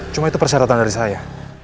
cuma itu persyaratan dari saya